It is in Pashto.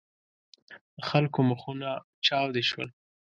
د خلکو مخونه چاودې شول.